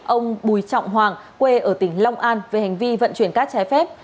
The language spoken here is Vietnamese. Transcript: ông bùi trọng hoàng quê ở tỉnh long an về hành vi vận chuyển cát trái phép